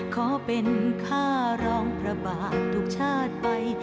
ขอเป็นข้าร้องพระบาททุกชาติไป